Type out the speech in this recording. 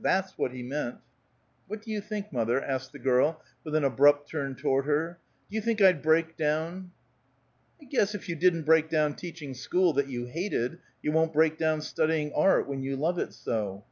That's what he meant." "What do you think, mother?" asked the girl with an abrupt turn toward her. "Do you think I'd break down?" "I guess if you didn't break down teaching school, that you hated, you won't break down studying art, when you love it so."